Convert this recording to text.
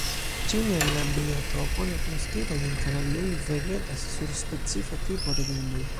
Ĉiu el la biotopoj agnoskitaj en Kanarioj vegetas sur specifa tipo de grundoj.